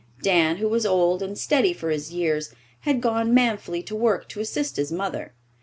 Dan, who was old and steady for his years, had gone manfully to work to assist his mother.